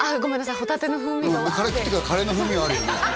ホタテの風味がカレー食ってるからカレーの風味はあるよね